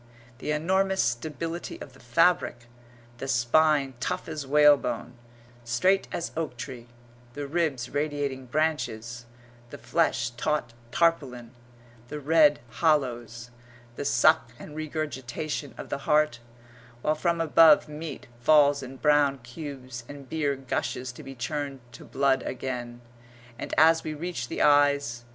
The enormous stability of the fabric; the spine tough as whalebone, straight as oak tree; the ribs radiating branches; the flesh taut tarpaulin; the red hollows; the suck and regurgitation of the heart; while from above meat falls in brown cubes and beer gushes to be churned to blood again and so we reach the eyes.